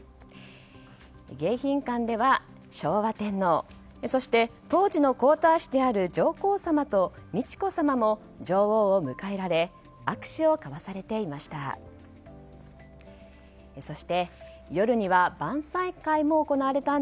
迎賓館では昭和天皇そして当時の皇太子である上皇さまと美智子さまも女王を迎えられ握手を交わされていました。